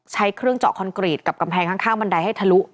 ใช้เครื่องเจาะคอนกรีตกับกำแพงข้างบันไดให้ทะลุ